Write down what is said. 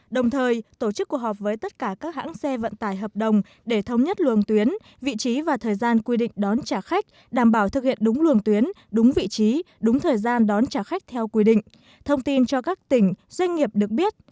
đồng thời tổ chức cuộc họp với tất cả các hãng xe vận tải hợp đồng để thống nhất luồng tuyến vị trí và thời gian quy định đón trả khách đảm bảo thực hiện đúng luồng tuyến đúng vị trí đúng thời gian đón trả khách theo quy định thông tin cho các tỉnh doanh nghiệp được biết